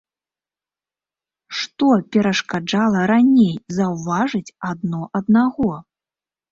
Што перашкаджала раней заўважыць адно аднаго?